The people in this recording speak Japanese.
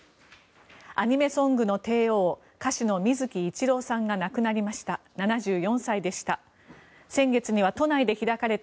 アニメソングの帝王歌手の水木一郎さんが亡くなりました。